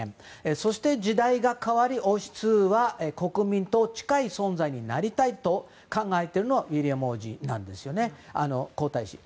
そして時代が変わり、王室は国民と近い存在になりたいと考えているのがウィリアム皇太子なんですよね。